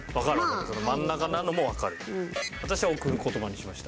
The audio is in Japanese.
私は『贈る言葉』にしました。